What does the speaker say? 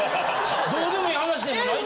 どうでもいい話でもないぞ。